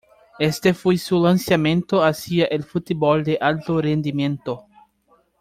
Este fue su lanzamiento hacia el fútbol de alto rendimiento.